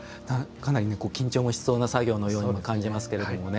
かなり緊張もしそうな作業のように感じますけれどもね。